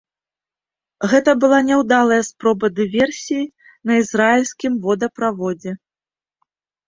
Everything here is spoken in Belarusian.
Гэта была няўдалая спроба дыверсіі на ізраільскім водаправодзе.